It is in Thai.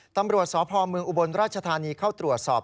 ตำรวจสพเมืองอุบลราชธานีเข้าตรวจสอบ